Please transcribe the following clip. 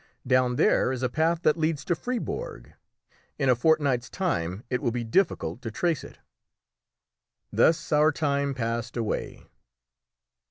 Down there is a path that leads to Fribourg; in a fortnight's time it will be difficult to trace it." Thus our time passed away.